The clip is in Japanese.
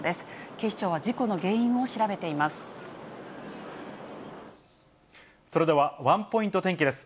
警視庁は事故の原因を調べていまそれでは、ワンポイント天気です。